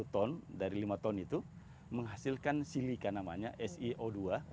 tiga puluh ton dari lima ton itu menghasilkan silika namanya sio dua